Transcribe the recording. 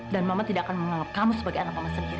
dan mama tidak akan menganggap kamu sebagai anak mama sendiri